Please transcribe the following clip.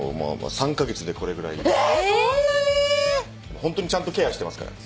ホントにちゃんとケアしてますから。